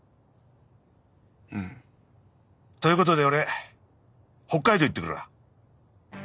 うん。ということで俺北海道行ってくるわ。